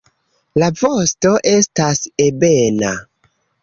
La vosto estas ebena.